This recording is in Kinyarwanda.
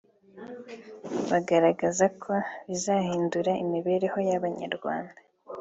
bagaragaza ko bizahindura imibereho y’abanyarwanda